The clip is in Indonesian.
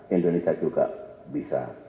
indonesia juga bisa